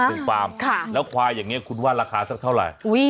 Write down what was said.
ฟาร์มแล้วควายอย่างนี้คุณว่าราคาสักเท่าไหร่